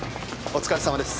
お疲れさまです。